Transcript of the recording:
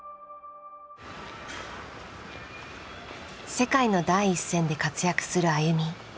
世界の第一線で活躍するＡＹＵＭＩ。